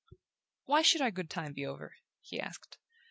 "Why should our good time be over?" he asked.